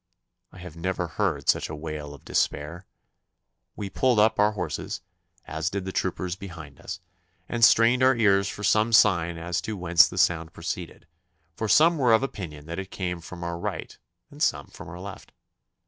I have never heard such a wail of despair. We pulled up our horses, as did the troopers behind us, and strained our ears for some sign as to whence the sound proceeded, for some were of opinion that it came from our right and some from our left.